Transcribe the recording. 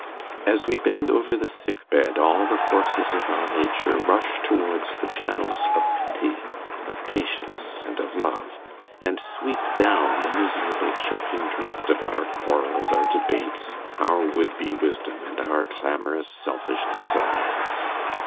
As we bend over the sick bed, all the forces of our nature rush towards the channels of pity, of patience, and of love, and sweep down the miserable choking drift of our quarrels, our debates, our would be wisdom, and our clamorous selfish desires.